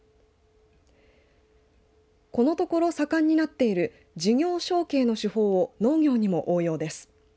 このところ盛んになっている事業承継の手法を農業にも応用です。